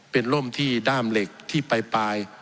เป็นร่มที่ด้ามเหล็กที่ปลาย